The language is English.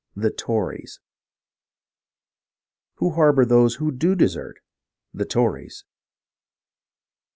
The Tories ! Who harbour those who do desert ? The Tories